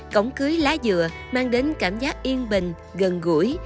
cổng cưới lá dừa mang đến cảm giác yên bình gần gũi